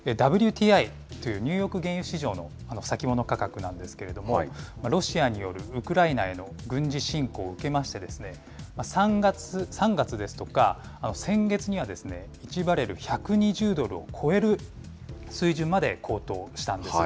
ＷＴＩという、ニューヨーク原油市場の先物価格なんですけれども、ロシアによるウクライナへの軍事侵攻を受けましてですね、３月ですとか、先月には、１バレル１２０ドルを超える水準まで高騰したんです。